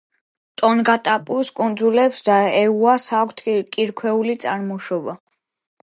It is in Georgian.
ტონგატაპუს კუნძულებს და ეუას აქვთ კირქვული წარმოშობა.